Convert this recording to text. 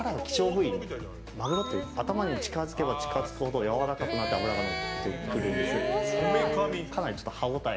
マグロって頭に近づけば近づくほどやわらかくなって脂がのっているんです。